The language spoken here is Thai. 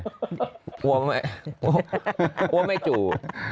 กลัวไม่จุด